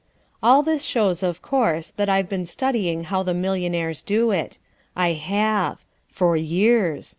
All this shows, of course, that I've been studying how the millionaires do it. I have. For years.